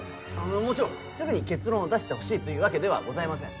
もちろんすぐに結論を出してほしいというわけではございません。